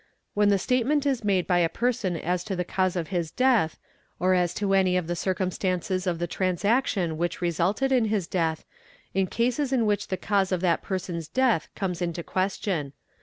(1) when the statement is made by a person as to the cause of his death, or as to any of the circumstances of the transaction which resulted in his death, in cases in which the cause of that person's death comes into question.